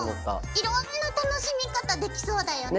いろんな楽しみ方できそうだよね。